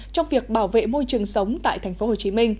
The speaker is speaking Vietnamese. trong việc bảo vệ môi trường sống tại tp hcm